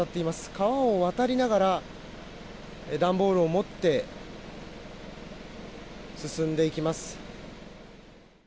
川を渡りながら、段ボールを持って進んでいきます。